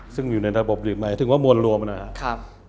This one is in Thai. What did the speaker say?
ซึ่งอยู่ในระบบดีหมายถึงว่ามวลรวมนะครับ